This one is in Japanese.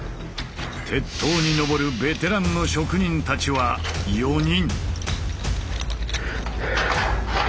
鉄塔にのぼるベテランの職人たちは４人。